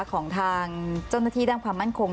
ของทางเจ้าหน้าที่ด้านความมั่นคง